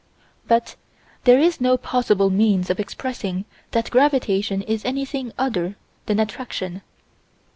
But there is no possible means of expressing that gravitation is anything other than attraction.